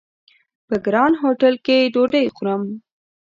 په ګران هوټل کې ډوډۍ خورم!